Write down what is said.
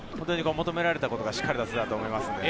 求められたことがしっかりできていたと思います。